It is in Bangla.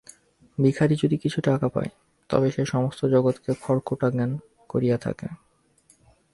ভিখারী যদি কিছু টাকা পায়, তবে সে সমগ্র জগৎকে খড়কুটা জ্ঞান করিয়া থাকে।